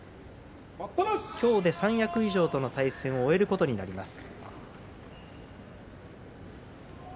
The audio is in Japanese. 今日で三役以上の対戦を終えることになります。